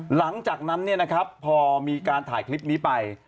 หลังจากนั้นพอมีการถ่ายคลิปนี้ไป